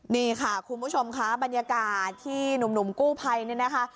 นี่ค่ะคุณผู้ชมค่ะบรรยากาศที่หนุ่มกู้ภัยเนี่ยนะคะ